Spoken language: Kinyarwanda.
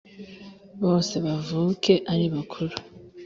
Bose bavuke ari bakuru